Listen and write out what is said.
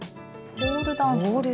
ポールダンス。